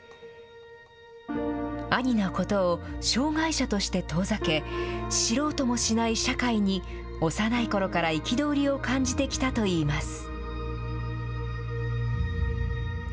兄のことを障害者として遠ざけ、知ろうともしない社会に幼いころから憤りを感じてきたといいます。